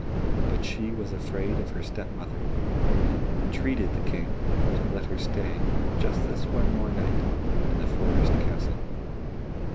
But she was afraid of her step mother, and entreated the King to let her stay just this one night more in the forest castle.